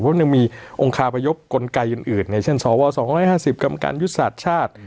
เพราะยังมีองคาพยพกลไกอื่นอย่างเช่นสว๒๕๐กรรมการยุทธศาสตร์ชาติ